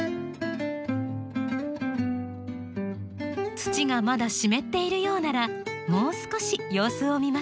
土がまだ湿っているようならもう少し様子を見ましょう。